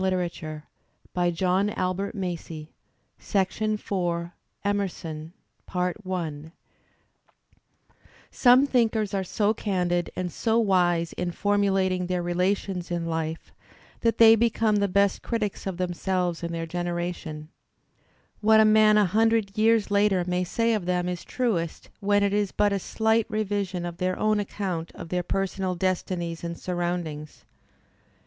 Digitized by Google CHAPTER IV EMERSON Some thinkers are so candid and so wise in formulating their relations in life, that they become the best critics of them selves and their generation. What a man a hundred years later may say of them is truest when it is but a slight revision of their own account of their personal destinies and siuround ings.